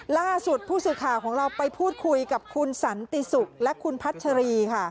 ล่าสุดผู้สื่อข่าวของเราไปพูดคุยกับคุณสันติศุกร์และคุณพัชรีค่ะ